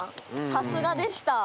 さすがでした。